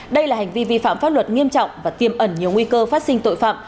đây là hành vi vi phạm pháp luật nghiêm trọng và tiêm ẩn nhiều nguy cơ phát sinh tội phạm